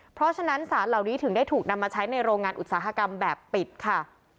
เพราะฉะนั้นสารเหล่านี้ถึงได้ถูกนำมาใช้ในโรงงานอุตสาหกรรมแบบปิดค่ะ